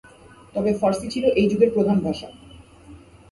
তবে ফার্সি ছিল এই যুগের প্রধান ভাষা।